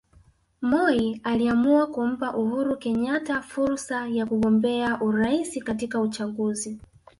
Moi aliamua kumpa Uhuru Kenyatta fursa ya kugombea urais katika uchaguzi